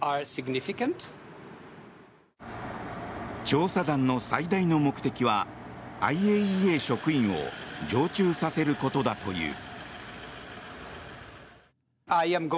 調査団の最大の目的はＩＡＥＡ職員を常駐させることだという。